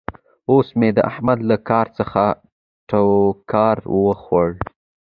اوس مې د احمد له کار څخه ټوکار وخوړ.